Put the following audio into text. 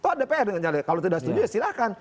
kalau tidak setuju ya silahkan